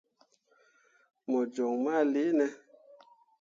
Mo joŋ ma leere ne ?